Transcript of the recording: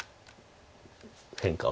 変化を。